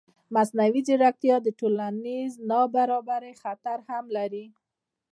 مصنوعي ځیرکتیا د ټولنیز نابرابرۍ خطر هم لري.